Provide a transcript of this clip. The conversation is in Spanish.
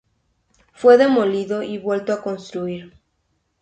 Fue demolido y vuelto a construir.